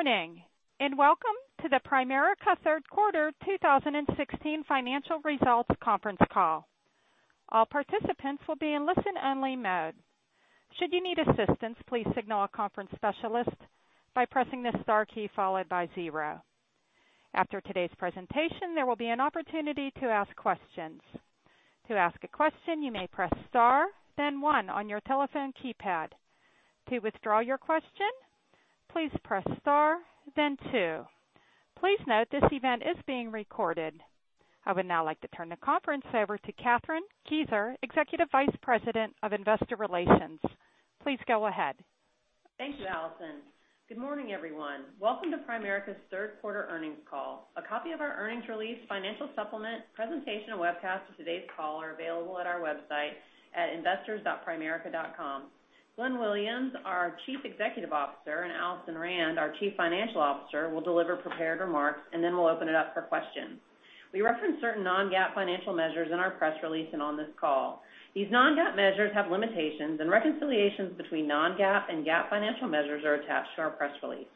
Good morning, and welcome to the Primerica third quarter 2016 financial results conference call. All participants will be in listen only mode. Should you need assistance, please signal a conference specialist by pressing the star key followed by 0. After today's presentation, there will be an opportunity to ask questions. To ask a question, you may press star then 1 on your telephone keypad. To withdraw your question, please press star then 2. Please note this event is being recorded. I would now like to turn the conference over to Kathryn Kieser, Executive Vice President of Investor Relations. Please go ahead. Thank you, Alison. Good morning, everyone. Welcome to Primerica's third quarter earnings call. A copy of our earnings release, financial supplement, presentation, and webcast of today's call are available at our website at investors.primerica.com. Glenn Williams, our Chief Executive Officer, and Alison Rand, our Chief Financial Officer, will deliver prepared remarks, and then we'll open it up for questions. We reference certain non-GAAP financial measures in our press release and on this call. These non-GAAP measures have limitations, and reconciliations between non-GAAP and GAAP financial measures are attached to our press release.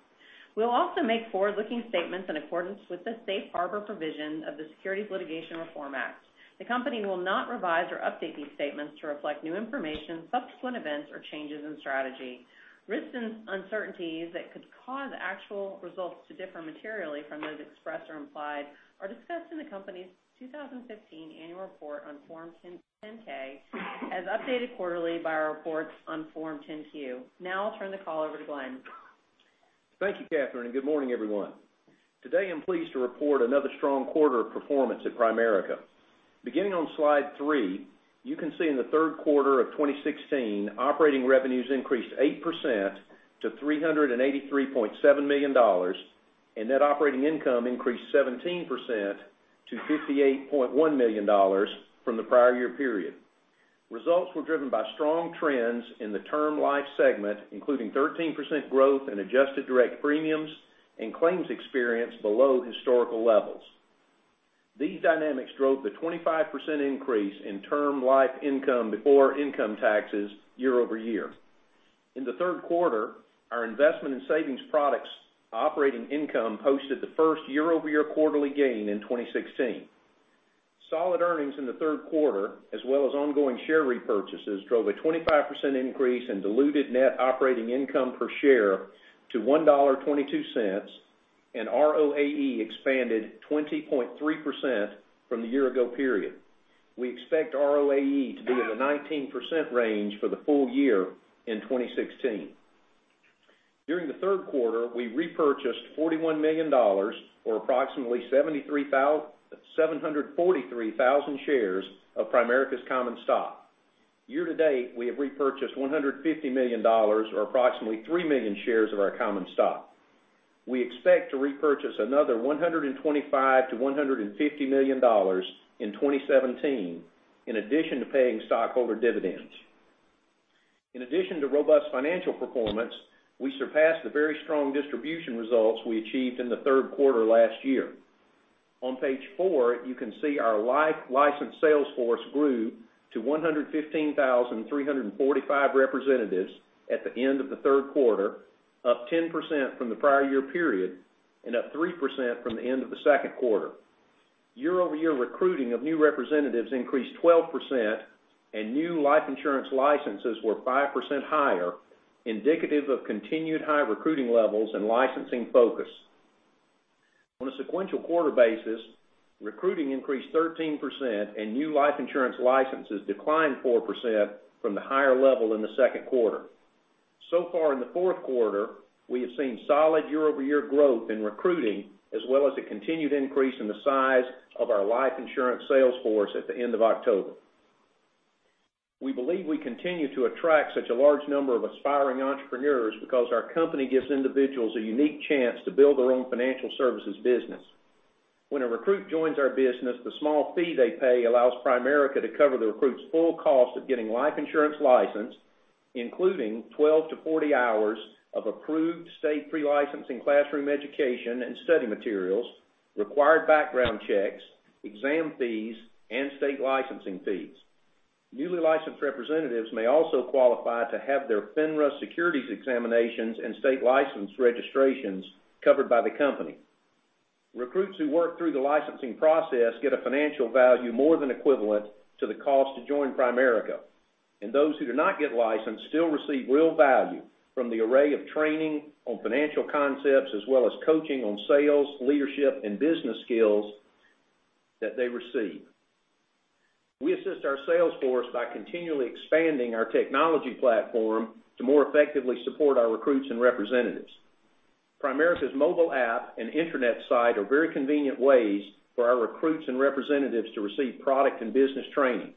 We'll also make forward-looking statements in accordance with the safe harbor provision of the Securities Litigation Reform Act. The company will not revise or update these statements to reflect new information, subsequent events, or changes in strategy. Risks and uncertainties that could cause actual results to differ materially from those expressed or implied are discussed in the company's 2015 annual report on Form 10-K, as updated quarterly by our reports on Form 10-Q. Now I'll turn the call over to Glenn. Thank you, Kathryn, and good morning, everyone. Today, I'm pleased to report another strong quarter of performance at Primerica. Beginning on slide three, you can see in the third quarter of 2016, operating revenues increased 8% to $383.7 million, and net operating income increased 17% to $58.1 million from the prior year period. Results were driven by strong trends in the term life segment, including 13% growth in adjusted direct premiums and claims experience below historical levels. These dynamics drove the 25% increase in term life income before income taxes year-over-year. In the third quarter, our investment and savings products operating income posted the first year-over-year quarterly gain in 2016. Solid earnings in the third quarter, as well as ongoing share repurchases, drove a 25% increase in diluted net operating income per share to $1.22, and ROAE expanded 20.3% from the year ago period. We expect ROAE to be in the 19% range for the full year in 2016. During the third quarter, we repurchased $41 million, or approximately 743,000 shares of Primerica's common stock. Year-to-date, we have repurchased $150 million, or approximately 3 million shares of our common stock. We expect to repurchase another $125 million-$150 million in 2017, in addition to paying stockholder dividends. In addition to robust financial performance, we surpassed the very strong distribution results we achieved in the third quarter last year. On page four, you can see our life license sales force grew to 115,345 representatives at the end of the third quarter, up 10% from the prior year period and up 3% from the end of the second quarter. Year-over-year recruiting of new representatives increased 12%, and new life insurance licenses were 5% higher, indicative of continued high recruiting levels and licensing focus. On a sequential quarter basis, recruiting increased 13%, and new life insurance licenses declined 4% from the higher level in the second quarter. Far in the fourth quarter, we have seen solid year-over-year growth in recruiting, as well as a continued increase in the size of our life insurance sales force at the end of October. We believe we continue to attract such a large number of aspiring entrepreneurs because our company gives individuals a unique chance to build their own financial services business. When a recruit joins our business, the small fee they pay allows Primerica to cover the recruit's full cost of getting life insurance licensed, including 12 to 40 hours of approved state pre-licensing classroom education and study materials, required background checks, exam fees, and state licensing fees. Newly licensed representatives may also qualify to have their FINRA securities examinations and state license registrations covered by the company. Recruits who work through the licensing process get a financial value more than equivalent to the cost to join Primerica. Those who do not get licensed still receive real value from the array of training on financial concepts as well as coaching on sales, leadership, and business skills that they receive. We assist our sales force by continually expanding our technology platform to more effectively support our recruits and representatives. Primerica's mobile app and internet site are very convenient ways for our recruits and representatives to receive product and business training.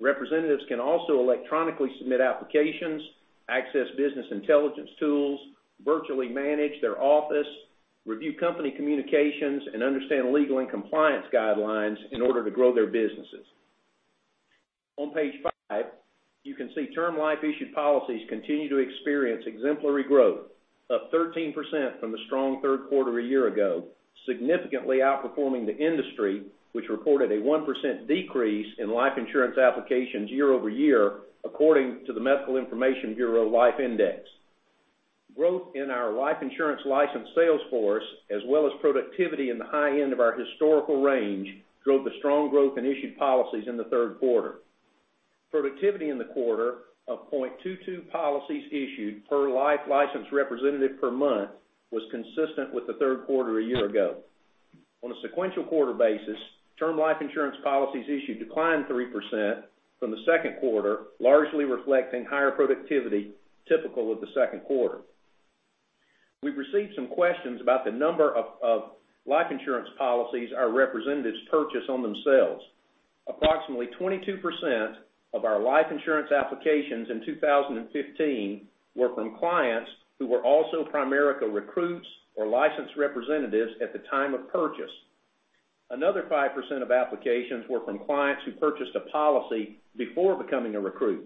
Representatives can also electronically submit applications, access business intelligence tools, virtually manage their office, review company communications, and understand legal and compliance guidelines in order to grow their businesses. On page five, you can see term life issued policies continue to experience exemplary growth, up 13% from the strong third quarter a year ago, significantly outperforming the industry, which reported a 1% decrease in life insurance applications year-over-year according to the Medical Information Bureau Life Index. Growth in our life insurance licensed sales force, as well as productivity in the high end of our historical range, drove the strong growth in issued policies in the third quarter. Productivity in the quarter of 0.22 policies issued per life licensed representative per month was consistent with the third quarter a year ago. On a sequential quarter basis, term life insurance policies issued declined 3% from the second quarter, largely reflecting higher productivity typical of the second quarter. We've received some questions about the number of life insurance policies our representatives purchase on themselves. Approximately 22% of our life insurance applications in 2015 were from clients who were also Primerica recruits or licensed representatives at the time of purchase. Another 5% of applications were from clients who purchased a policy before becoming a recruit.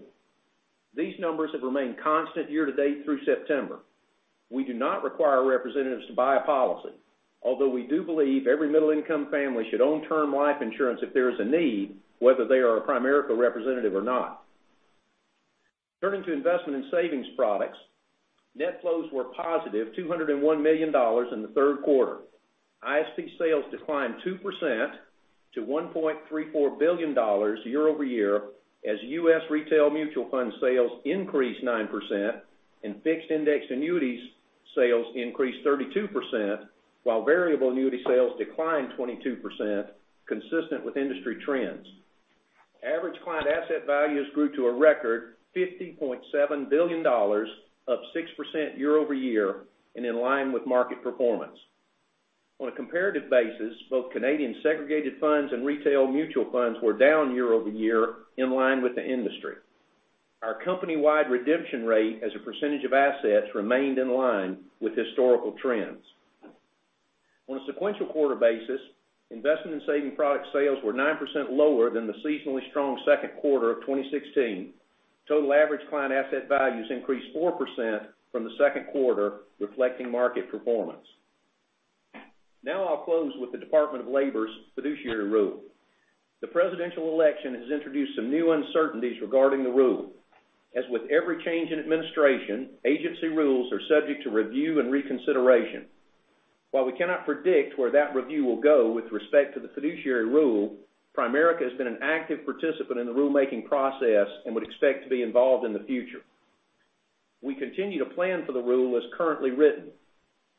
These numbers have remained constant year-to-date through September. We do not require representatives to buy a policy, although we do believe every middle-income family should own term life insurance if there is a need, whether they are a Primerica representative or not. Turning to investment in savings products, net flows were a positive $201 million in the third quarter. ISP sales declined 2% to $1.34 billion year-over-year as U.S. retail mutual fund sales increased 9% and fixed indexed annuities sales increased 32%, while variable annuity sales declined 22%, consistent with industry trends. Average client asset values grew to a record $50.7 billion, up 6% year-over-year, and in line with market performance. On a comparative basis, both Canadian segregated funds and retail mutual funds were down year-over-year in line with the industry. Our company-wide redemption rate as a percentage of assets remained in line with historical trends. On a sequential quarter basis, investment in saving product sales were 9% lower than the seasonally strong second quarter of 2016. Total average client asset values increased 4% from the second quarter, reflecting market performance. I'll close with the Department of Labor's Fiduciary Rule. The presidential election has introduced some new uncertainties regarding the rule. As with every change in administration, agency rules are subject to review and reconsideration. While we cannot predict where that review will go with respect to the Fiduciary Rule, Primerica has been an active participant in the rulemaking process and would expect to be involved in the future. We continue to plan for the rule as currently written.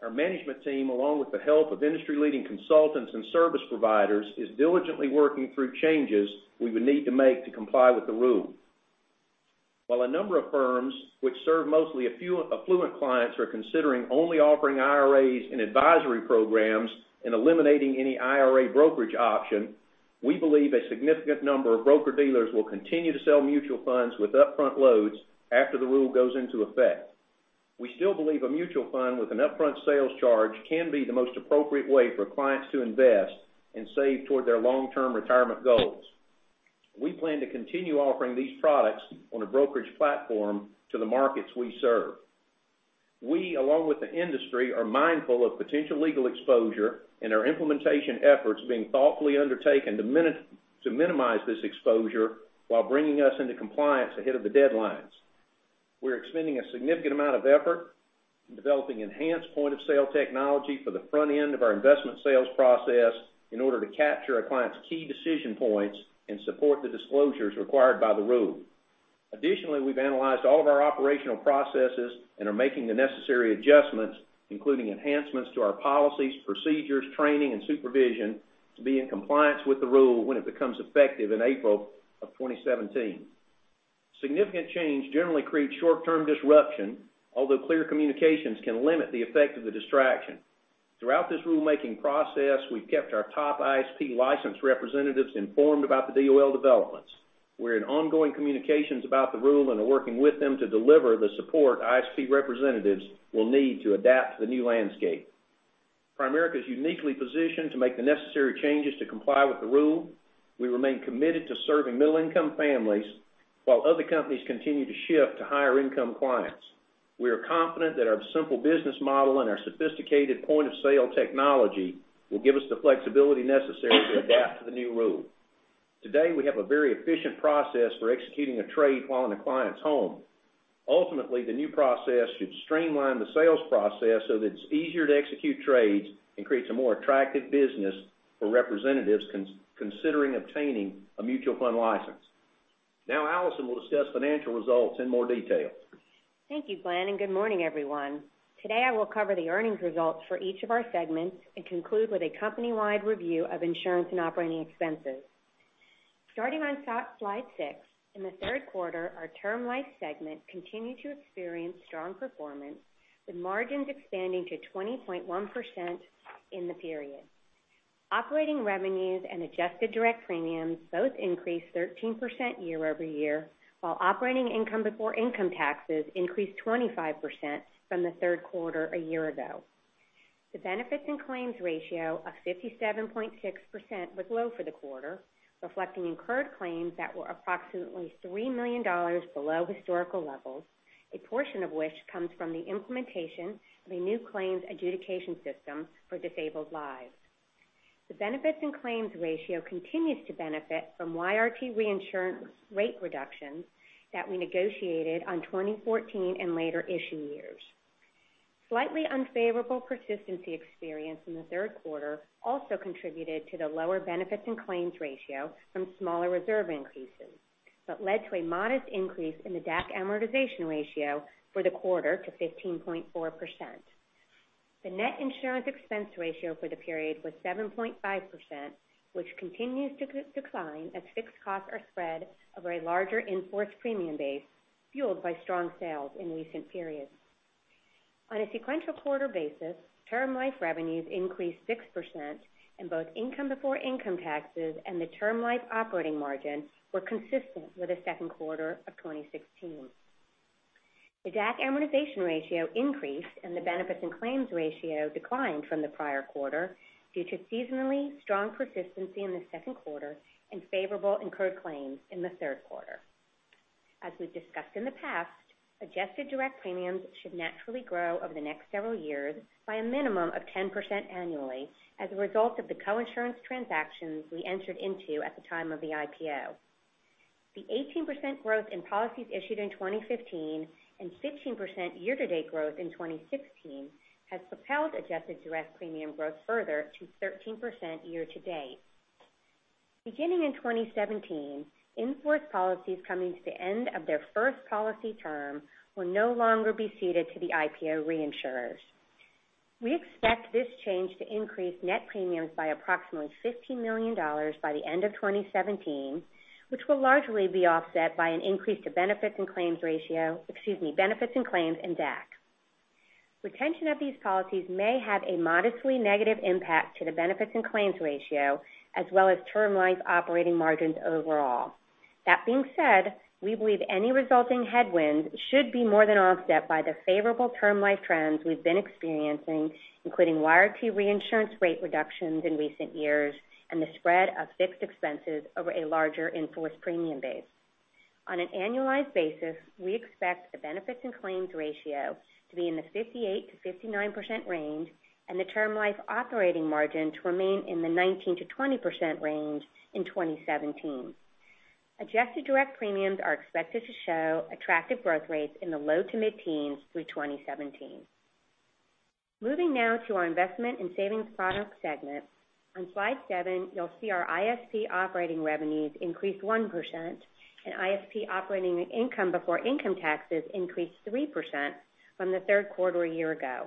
Our management team, along with the help of industry-leading consultants and service providers, is diligently working through changes we would need to make to comply with the rule. While a number of firms which serve mostly affluent clients are considering only offering IRAs and advisory programs and eliminating any IRA brokerage option, we believe a significant number of broker-dealers will continue to sell mutual funds with upfront loads after the rule goes into effect. We still believe a mutual fund with an upfront sales charge can be the most appropriate way for clients to invest and save toward their long-term retirement goals. We plan to continue offering these products on a brokerage platform to the markets we serve. We, along with the industry, are mindful of potential legal exposure. Our implementation efforts are being thoughtfully undertaken to minimize this exposure while bringing us into compliance ahead of the deadlines. We're expending a significant amount of effort in developing enhanced point-of-sale technology for the front end of our investment sales process in order to capture a client's key decision points and support the disclosures required by the rule. Additionally, we've analyzed all of our operational processes and are making the necessary adjustments, including enhancements to our policies, procedures, training, and supervision to be in compliance with the rule when it becomes effective in April of 2017. Significant change generally creates short-term disruption, although clear communications can limit the effect of the distraction. Throughout this rulemaking process, we've kept our top ISP licensed representatives informed about the DOL developments. We're in ongoing communications about the rule and are working with them to deliver the support ISP representatives will need to adapt to the new landscape. Primerica is uniquely positioned to make the necessary changes to comply with the rule. We remain committed to serving middle-income families while other companies continue to shift to higher-income clients. We are confident that our simple business model and our sophisticated point-of-sale technology will give us the flexibility necessary to adapt to the new rule. Today, we have a very efficient process for executing a trade while in a client's home. Ultimately, the new process should streamline the sales process so that it's easier to execute trades and creates a more attractive business for representatives considering obtaining a mutual fund license. Alison will discuss financial results in more detail. Thank you, Glenn, and good morning, everyone. Today, I will cover the earnings results for each of our segments and conclude with a company-wide review of insurance and operating expenses. Starting on slide six, in the third quarter, our Term Life segment continued to experience strong performance, with margins expanding to 20.1% in the period. Operating revenues and adjusted direct premiums both increased 13% year-over-year, while operating income before income taxes increased 25% from the third quarter a year ago. The benefits and claims ratio of 57.6% was low for the quarter, reflecting incurred claims that were approximately $3 million below historical levels, a portion of which comes from the implementation of a new claims adjudication system for disabled lives. The benefits and claims ratio continues to benefit from YRT reinsurance rate reductions that we negotiated on 2014 and later issue years. Slightly unfavorable persistency experience in the third quarter also contributed to the lower benefits and claims ratio from smaller reserve increases, led to a modest increase in the DAC amortization ratio for the quarter to 15.4%. The net insurance expense ratio for the period was 7.5%, which continues to decline as fixed costs are spread over a larger in-force premium base, fueled by strong sales in recent periods. On a sequential quarter basis, term life revenues increased 6% in both income before income taxes and the term life operating margin were consistent with the second quarter of 2016. The DAC amortization ratio increased and the benefits and claims ratio declined from the prior quarter due to seasonally strong persistency in the second quarter and favorable incurred claims in the third quarter. As we've discussed in the past, adjusted direct premiums should naturally grow over the next several years by a minimum of 10% annually as a result of the co-insurance transactions we entered into at the time of the IPO. The 18% growth in policies issued in 2015 and 16% year-to-date growth in 2016 has propelled adjusted direct premium growth further to 13% year-to-date. Beginning in 2017, in-force policies coming to the end of their first policy term will no longer be ceded to the IPO reinsurers. We expect this change to increase net premiums by approximately $15 million by the end of 2017, which will largely be offset by an increase to benefits and claims ratio, excuse me, benefits and claims and DAC. Retention of these policies may have a modestly negative impact to the benefits and claims ratio as well as term life operating margins overall. That being said, we believe any resulting headwinds should be more than offset by the favorable term life trends we've been experiencing, including YRT reinsurance rate reductions in recent years and the spread of fixed expenses over a larger in-force premium base. On an annualized basis, we expect the benefits and claims ratio to be in the 58%-59% range and the term life operating margin to remain in the 19%-20% range in 2017. Moving now to our investment and savings product segment. On slide seven, you'll see our ISP operating revenues increased 1% and ISP operating income before income taxes increased 3% from the third quarter a year ago.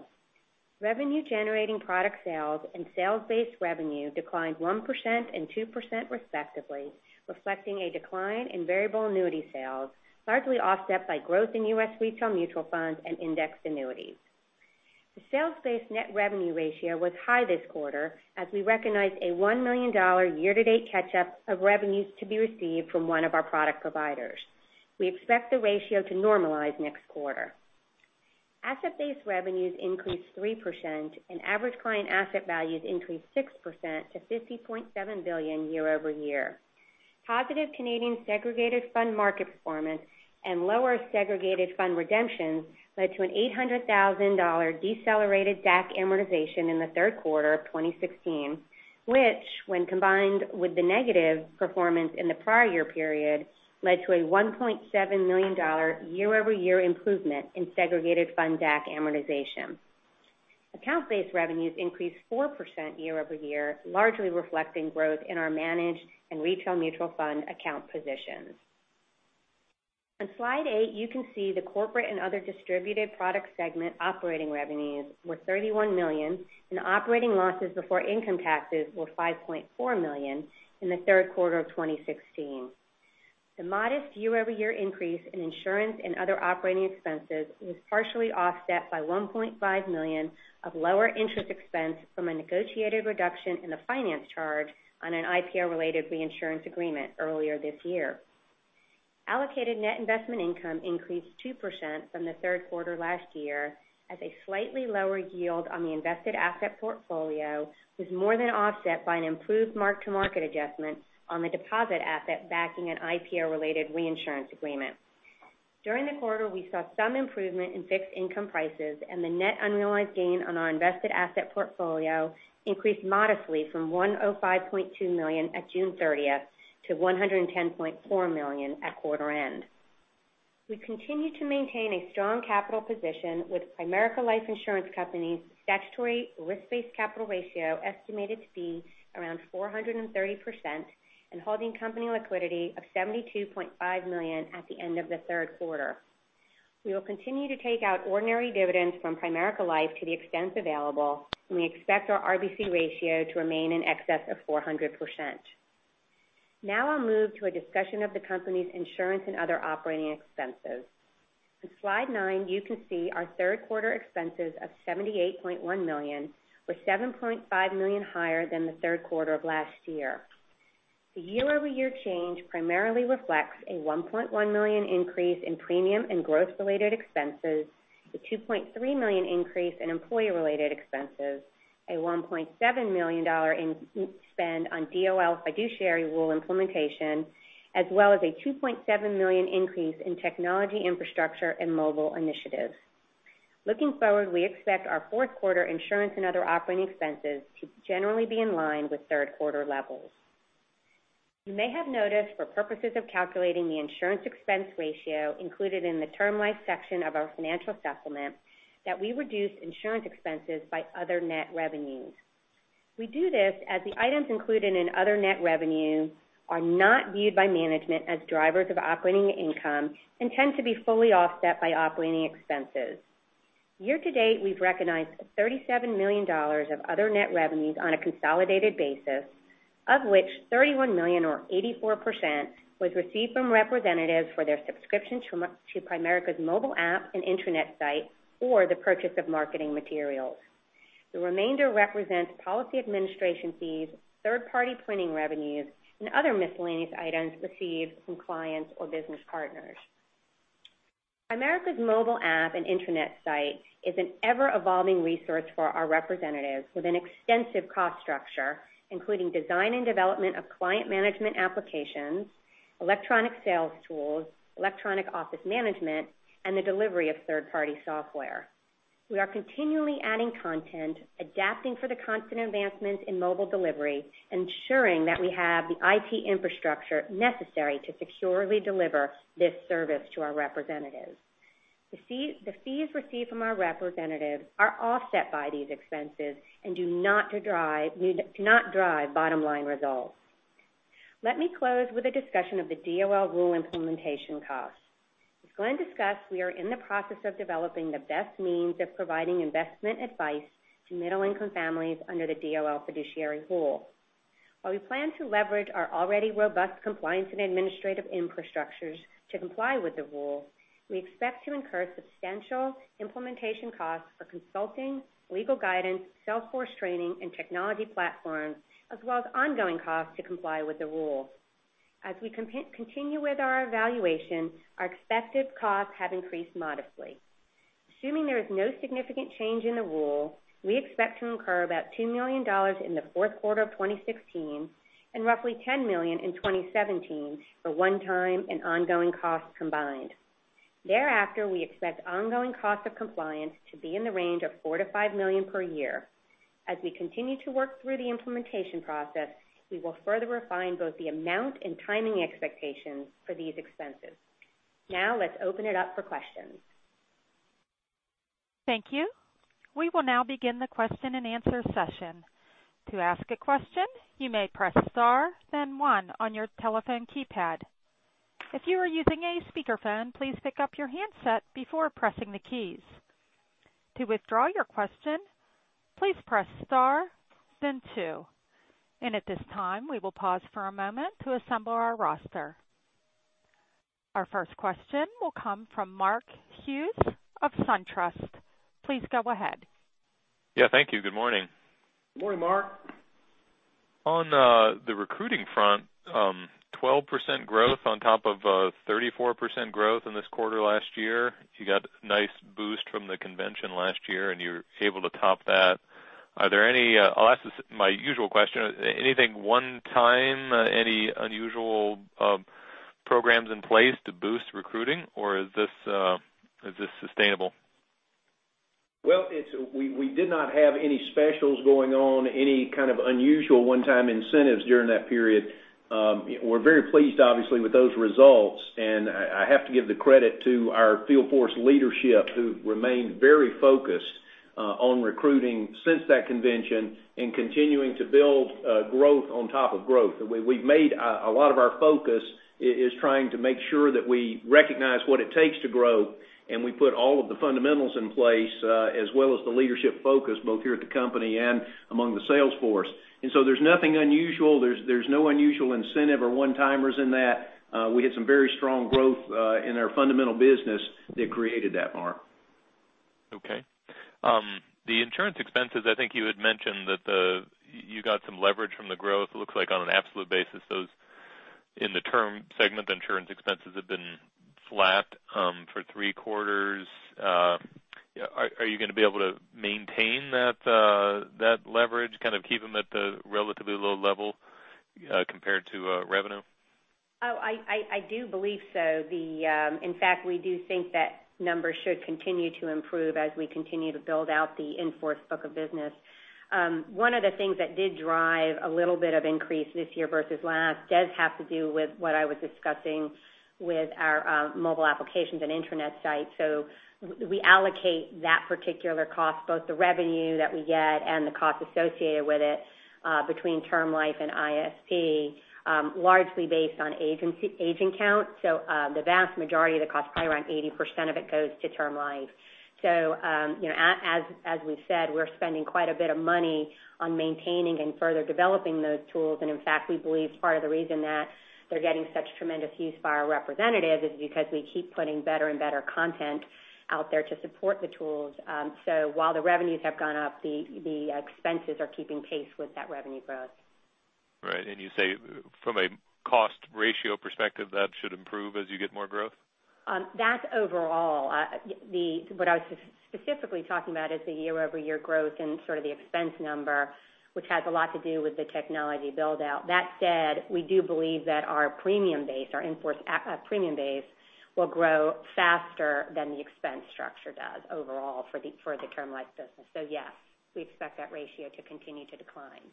Revenue-generating product sales and sales-based revenue declined 1% and 2% respectively, reflecting a decline in variable annuity sales, largely offset by growth in U.S. retail mutual funds and indexed annuities. The sales-based net revenue ratio was high this quarter as we recognized a $1 million year-to-date catch-up of revenues to be received from one of our product providers. We expect the ratio to normalize next quarter. Asset-based revenues increased 3% and average client asset values increased 6% to $50.7 billion year over year. Positive Canadian segregated fund market performance and lower segregated fund redemptions led to an $800,000 decelerated DAC amortization in the third quarter of 2016, which, when combined with the negative performance in the prior year period, led to a $1.7 million year-over-year improvement in segregated fund DAC amortization. Account-based revenues increased 4% year over year, largely reflecting growth in our managed and retail mutual fund account positions. On slide eight, you can see the corporate and other distributed product segment operating revenues were $31 million and operating losses before income taxes were $5.4 million in the third quarter of 2016. The modest year-over-year increase in insurance and other operating expenses was partially offset by $1.5 million of lower interest expense from a negotiated reduction in the finance charge on an IPO-related reinsurance agreement earlier this year. Allocated net investment income increased 2% from the third quarter last year as a slightly lower yield on the invested asset portfolio was more than offset by an improved mark-to-market adjustment on the deposit asset backing an IPO-related reinsurance agreement. During the quarter, we saw some improvement in fixed income prices and the net unrealized gain on our invested asset portfolio increased modestly from $105.2 million at June 30th to $110.4 million at quarter end. We continue to maintain a strong capital position with Primerica Life Insurance Company's statutory risk-based capital ratio estimated to be around 430% and holding company liquidity of $72.5 million at the end of the third quarter. We will continue to take out ordinary dividends from Primerica Life to the extent available, and we expect our RBC ratio to remain in excess of 400%. I'll move to a discussion of the company's insurance and other operating expenses. On slide nine, you can see our third quarter expenses of $78.1 million were $7.5 million higher than the third quarter of last year. The year-over-year change primarily reflects a $1.1 million increase in premium and growth related expenses, a $2.3 million increase in employee-related expenses, a $1.7 million in spend on DOL Fiduciary Rule implementation, as well as a $2.7 million increase in technology infrastructure and mobile initiatives. Looking forward, we expect our fourth quarter insurance and other operating expenses to generally be in line with third quarter levels. You may have noticed, for purposes of calculating the insurance expense ratio included in the term life section of our financial supplement, that we reduce insurance expenses by other net revenues. We do this as the items included in other net revenue are not viewed by management as drivers of operating income and tend to be fully offset by operating expenses. Year-to-date, we've recognized $37 million of other net revenues on a consolidated basis, of which $31 million or 84%, was received from representatives for their subscriptions to Primerica's mobile app and internet site, or the purchase of marketing materials. The remainder represents policy administration fees, third-party printing revenues, and other miscellaneous items received from clients or business partners. Primerica's mobile app and internet site is an ever-evolving resource for our representatives with an extensive cost structure, including design and development of client management applications, electronic sales tools, electronic office management, and the delivery of third-party software. We are continually adding content, adapting for the constant advancements in mobile delivery, ensuring that we have the IT infrastructure necessary to securely deliver this service to our representatives. The fees received from our representatives are offset by these expenses and do not drive bottom-line results. Let me close with a discussion of the DOL Fiduciary Rule implementation cost. As Glenn discussed, we are in the process of developing the best means of providing investment advice to middle-income families under the DOL Fiduciary Rule. While we plan to leverage our already robust compliance and administrative infrastructures to comply with the rule, we expect to incur substantial implementation costs for consulting, legal guidance, sales force training, and technology platforms, as well as ongoing costs to comply with the rule. As we continue with our evaluation, our expected costs have increased modestly. Assuming there is no significant change in the rule, we expect to incur about $2 million in the fourth quarter of 2016, and roughly $10 million in 2017 for one-time and ongoing costs combined. Thereafter, we expect ongoing costs of compliance to be in the range of $4 million to $5 million per year. As we continue to work through the implementation process, we will further refine both the amount and timing expectations for these expenses. Let's open it up for questions. Thank you. We will now begin the question and answer session. To ask a question, you may press star then one on your telephone keypad. If you are using a speakerphone, please pick up your handset before pressing the keys. To withdraw your question, please press star then two. At this time, we will pause for a moment to assemble our roster. Our first question will come from Mark Hughes of SunTrust. Please go ahead. Yeah, thank you. Good morning. Good morning, Mark. On the recruiting front, 12% growth on top of 34% growth in this quarter last year. You got a nice boost from the convention last year, you're able to top that. I'll ask my usual question, anything one-time, any unusual programs in place to boost recruiting, or is this sustainable? Well, we did not have any specials going on, any kind of unusual one-time incentives during that period. We're very pleased, obviously, with those results, and I have to give the credit to our field force leadership, who remained very focused on recruiting since that convention and continuing to build growth on top of growth. A lot of our focus is trying to make sure that we recognize what it takes to grow, and we put all of the fundamentals in place, as well as the leadership focus, both here at the company and among the sales force. There's nothing unusual. There's no unusual incentive or one-timers in that. We had some very strong growth in our fundamental business that created that, Mark. Okay. The insurance expenses, I think you had mentioned that you got some leverage from the growth. It looks like on an absolute basis, those in the term segment, the insurance expenses have been flat for three quarters. Are you going to be able to maintain that leverage, kind of keep them at the relatively low level compared to revenue? I do believe so. In fact, we do think that numbers should continue to improve as we continue to build out the in-force book of business. One of the things that did drive a little bit of increase this year versus last does have to do with what I was discussing with our mobile applications and internet site. We allocate that particular cost, both the revenue that we get and the cost associated with it, between term life and ISP, largely based on agent count. The vast majority of the cost, probably around 80% of it, goes to term life. As we've said, we're spending quite a bit of money on maintaining and further developing those tools. In fact, we believe part of the reason that they're getting such tremendous use by our representatives is because we keep putting better and better content out there to support the tools. While the revenues have gone up, the expenses are keeping pace with that revenue growth. Right. You say from a cost ratio perspective, that should improve as you get more growth? That's overall. What I was specifically talking about is the year-over-year growth and sort of the expense number, which has a lot to do with the technology build-out. That said, we do believe that our in-force premium base will grow faster than the expense structure does overall for the term life business. Yes, we expect that ratio to continue to decline.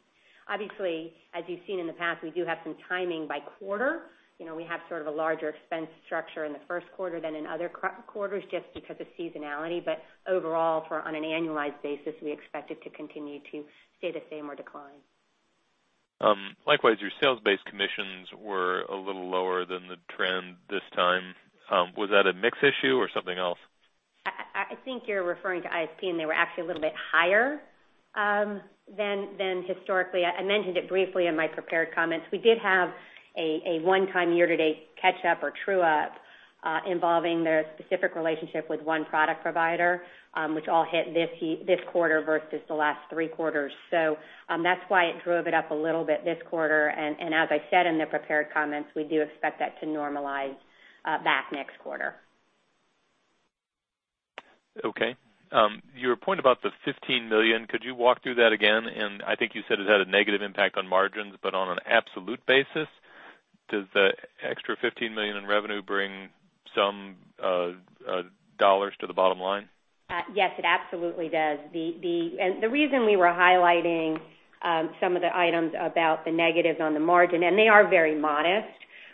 Obviously, as you've seen in the past, we do have some timing by quarter. We have sort of a larger expense structure in the first quarter than in other quarters just because of seasonality. Overall, on an annualized basis, we expect it to continue to stay the same or decline. Likewise, your sales-based commissions were a little lower than the trend this time. Was that a mix issue or something else? I think you're referring to ISP. They were actually a little bit higher than historically. I mentioned it briefly in my prepared comments. We did have a one-time year-to-date catch up or true up involving their specific relationship with one product provider, which all hit this quarter versus the last three quarters. That's why it drove it up a little bit this quarter. As I said in the prepared comments, we do expect that to normalize back next quarter. Okay. Your point about the $15 million, could you walk through that again? I think you said it had a negative impact on margins, on an absolute basis, does the extra $15 million in revenue bring some dollars to the bottom line? Yes, it absolutely does. The reason we were highlighting some of the items about the negatives on the margin, and they are very modest,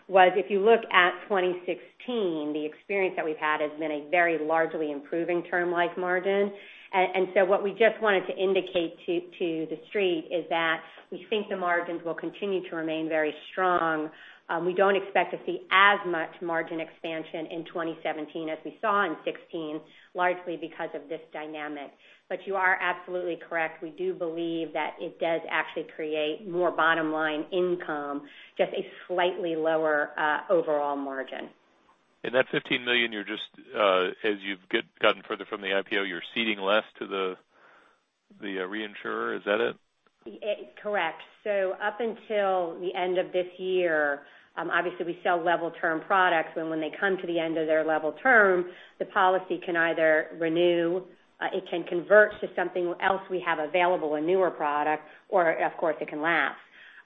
was if you look at 2016, the experience that we've had has been a very largely improving level term margin. What we just wanted to indicate to the street is that we think the margins will continue to remain very strong. We don't expect to see as much margin expansion in 2017 as we saw in 2016, largely because of this dynamic. You are absolutely correct. We do believe that it does actually create more bottom-line income, just a slightly lower overall margin. In that $15 million, as you've gotten further from the IPO, you're ceding less to the reinsurer. Is that it? Correct. Up until the end of this year, obviously we sell level term products, and when they come to the end of their level term, the policy can either renew, it can convert to something else we have available, a newer product, or, of course, it can lapse.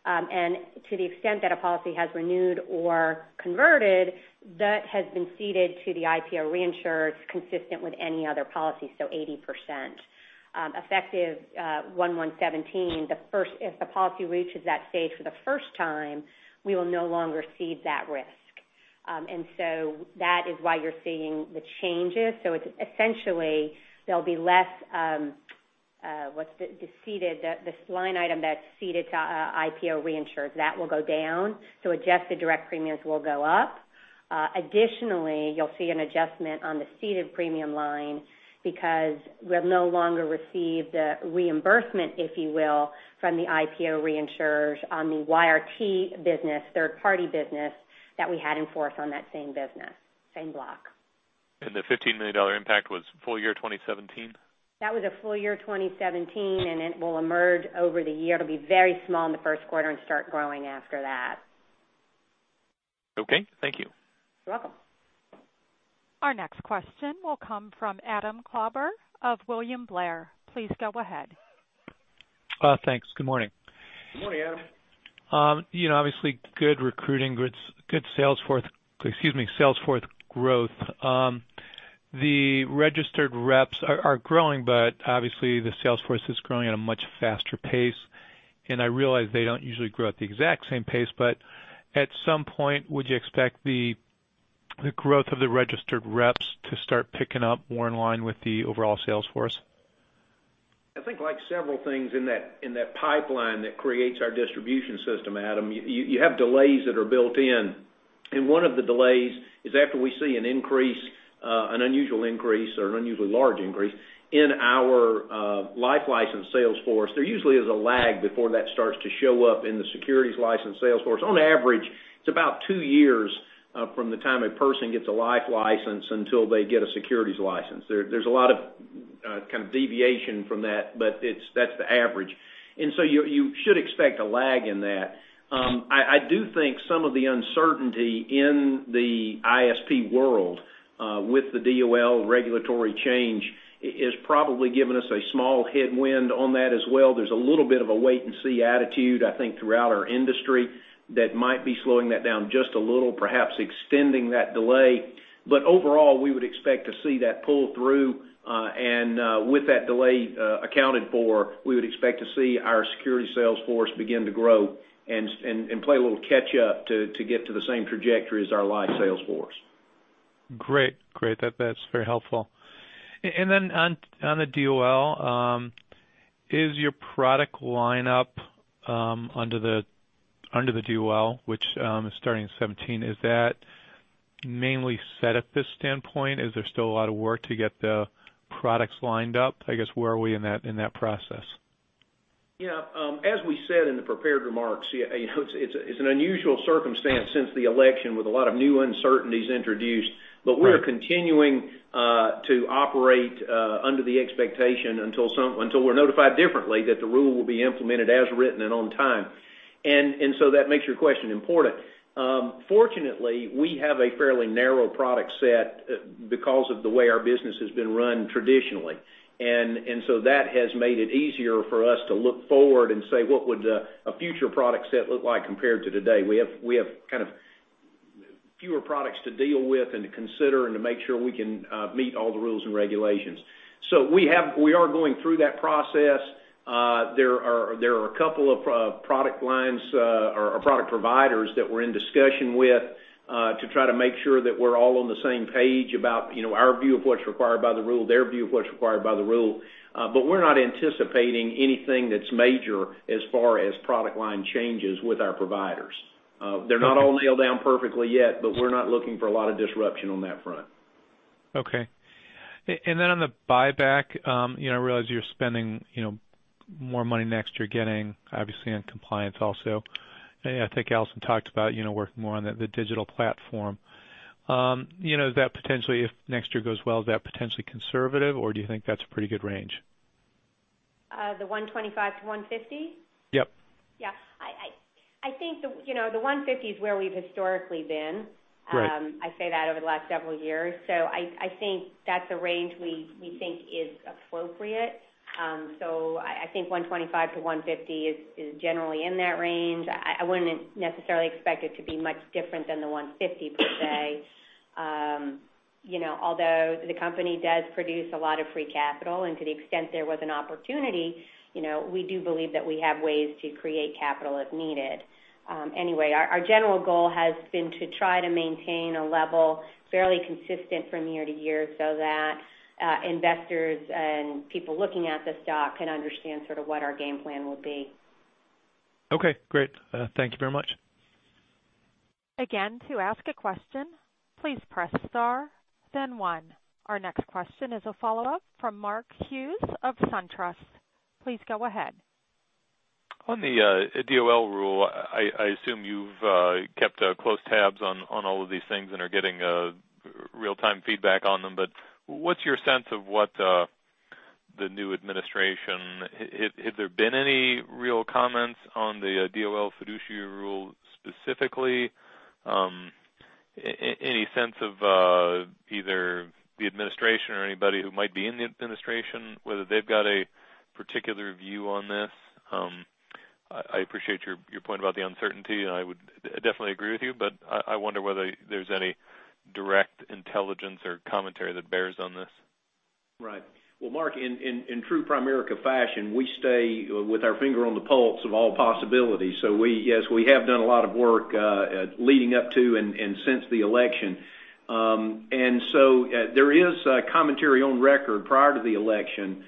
To the extent that a policy has renewed or converted, that has been ceded to the IPO reinsurers consistent with any other policy, so 80%. Effective 1/1/2017, if the policy reaches that stage for the first time, we will no longer cede that risk. That is why you're seeing the changes. Essentially, this line item that's ceded to IPO reinsurers. That will go down. Adjusted direct premiums will go up. Additionally, you'll see an adjustment on the ceded premium line because we'll no longer receive the reimbursement, if you will, from the IPO reinsurers on the YRT business, third party business that we had in force on that same business, same block. The $15 million impact was full year 2017? That was a full year 2017, it will emerge over the year. It'll be very small in the first quarter and start growing after that. Okay. Thank you. You're welcome. Our next question will come from Adam Klauber of William Blair. Please go ahead. Thanks. Good morning. Good morning, Adam. Good recruiting, good sales force growth. The registered reps are growing, obviously the sales force is growing at a much faster pace. I realize they don't usually grow at the exact same pace, at some point, would you expect the growth of the registered reps to start picking up more in line with the overall sales force? I think like several things in that pipeline that creates our distribution system, Adam, you have delays that are built in. One of the delays is after we see an increase, an unusual increase or an unusually large increase in our life license sales force, there usually is a lag before that starts to show up in the securities license sales force. On average, it's about two years from the time a person gets a life license until they get a securities license. There's a lot of kind of deviation from that, but that's the average. You should expect a lag in that. I do think some of the uncertainty in the ISP world with the DOL regulatory change is probably giving us a small headwind on that as well. There's a little bit of a wait and see attitude, I think, throughout our industry that might be slowing that down just a little, perhaps extending that delay. Overall, we would expect to see that pull through, with that delay accounted for, we would expect to see our security sales force begin to grow and play a little catch up to get to the same trajectory as our life sales force. Great. That's very helpful. On the DOL, is your product line up under the DOL, which is starting in 2017? Is that mainly set at this standpoint? Is there still a lot of work to get the products lined up? I guess, where are we in that process? Yeah. As we said in the prepared remarks, it's an unusual circumstance since the election with a lot of new uncertainties introduced. Right. We're continuing to operate under the expectation until we're notified differently that the Rule will be implemented as written and on time. That makes your question important. Fortunately, we have a fairly narrow product set because of the way our business has been run traditionally. That has made it easier for us to look forward and say, what would a future product set look like compared to today? We have kind of fewer products to deal with and to consider and to make sure we can meet all the rules and regulations. We are going through that process. There are a couple of product lines or product providers that we're in discussion with to try to make sure that we're all on the same page about our view of what's required by the Rule, their view of what's required by the Rule. We're not anticipating anything that's major as far as product line changes with our providers. They're not all nailed down perfectly yet, but we're not looking for a lot of disruption on that front. Okay. On the buyback, I realize you're spending more money next year getting, obviously, on compliance also. I think Alison talked about working more on the digital platform. If next year goes well, is that potentially conservative, or do you think that's a pretty good range? The 125 to 150? Yep. Yeah. I think the 150 is where we've historically been. Right. I say that over the last several years. I think that's a range we think is appropriate. I think 125 to 150 is generally in that range. I wouldn't necessarily expect it to be much different than the 150 per se. Although the company does produce a lot of free capital, and to the extent there was an opportunity, we do believe that we have ways to create capital if needed. Anyway, our general goal has been to try to maintain a level fairly consistent from year to year so that investors and people looking at the stock can understand sort of what our game plan will be. Okay, great. Thank you very much. Again, to ask a question, please press star then one. Our next question is a follow-up from Mark Hughes of SunTrust. Please go ahead. On the DOL rule, I assume you've kept close tabs on all of these things and are getting real-time feedback on them. What's your sense of what the new administration? Has there been any real comments on the DOL Fiduciary Rule specifically? Any sense of either the administration or anybody who might be in the administration, whether they've got a particular view on this? I appreciate your point about the uncertainty, and I would definitely agree with you, I wonder whether there's any direct intelligence or commentary that bears on this. Right. Well, Mark, in true Primerica fashion, we stay with our finger on the pulse of all possibilities. Yes, we have done a lot of work leading up to and since the election. There is commentary on record prior to the election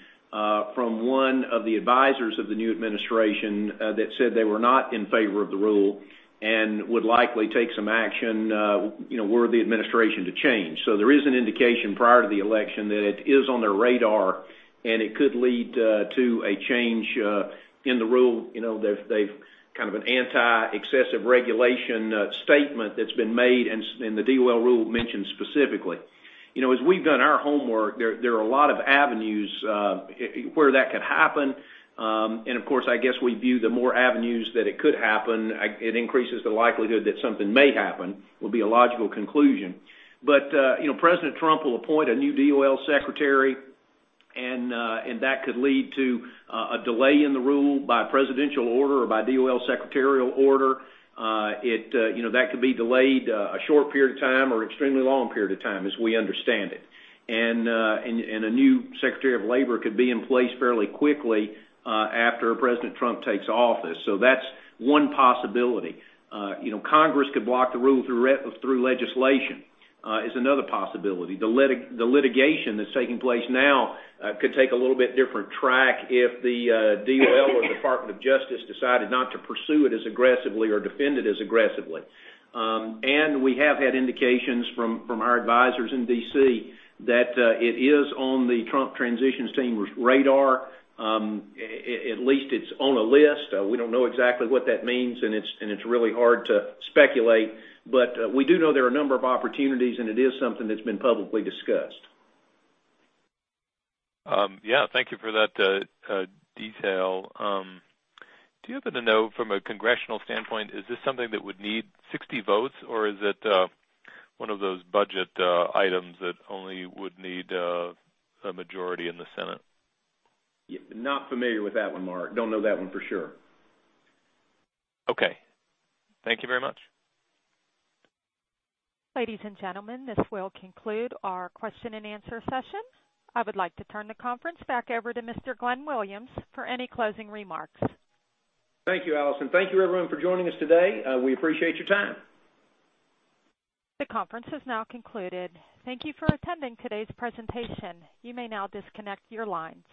from one of the advisors of the new administration that said they were not in favor of the rule and would likely take some action were the administration to change. There is an indication prior to the election that it is on their radar, and it could lead to a change in the rule. They've kind of an anti-excessive regulation statement that's been made and the DOL rule mentioned specifically. As we've done our homework, there are a lot of avenues where that could happen. Of course, I guess we view the more avenues that it could happen, it increases the likelihood that something may happen, will be a logical conclusion. President Trump will appoint a new DOL secretary, and that could lead to a delay in the rule by presidential order or by DOL secretarial order. That could be delayed a short period of time or extremely long period of time as we understand it. A new Secretary of Labor could be in place fairly quickly after President Trump takes office. That's one possibility. Congress could block the rule through legislation, is another possibility. The litigation that's taking place now could take a little bit different track if the DOL or Department of Justice decided not to pursue it as aggressively or defend it as aggressively. We have had indications from our advisors in D.C. that it is on the Trump transition team's radar. At least it's on a list. We don't know exactly what that means, and it's really hard to speculate, but we do know there are a number of opportunities, and it is something that's been publicly discussed. Yeah. Thank you for that detail. Do you happen to know from a congressional standpoint, is this something that would need 60 votes, or is it one of those budget items that only would need a majority in the Senate? Not familiar with that one, Mark. Don't know that one for sure. Okay. Thank you very much. Ladies and gentlemen, this will conclude our question and answer session. I would like to turn the conference back over to Mr. Glenn Williams for any closing remarks. Thank you, Alison. Thank you, everyone, for joining us today. We appreciate your time. The conference has now concluded. Thank you for attending today's presentation. You may now disconnect your lines.